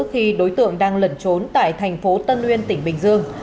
khi đối tượng đang lẩn trốn tại thành phố tân uyên tỉnh bình dương